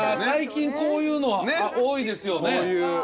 最近こういうのは多いですよね。